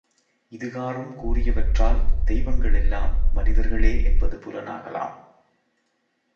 இது காறும் கூறியவற்றால், தெய்வங்கள் எல்லாம் மனிதர்களே என்பது புலனாகலாம்.